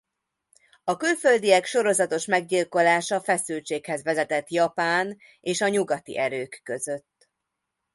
A külföldiek sorozatos meggyilkolása feszültséghez vezetett Japán és a nyugati erők között.